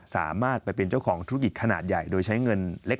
สามารถไปเป็นเจ้าของธุรกิจขนาดใหญ่โดยใช้เงินเล็ก